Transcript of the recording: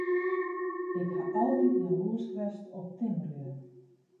Ik haw altyd jaloersk west op timmerlju.